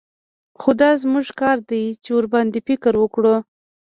خو دا زموږ کار دى چې ورباندې فکر وکړو.